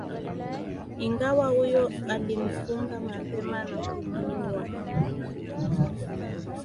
Ingawa huyo alimfunga mapema na kumuua